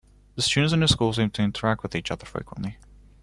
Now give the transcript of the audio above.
The students in this school seem to interact with each other frequently.